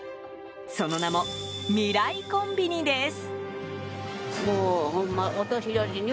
その名も、未来コンビニです。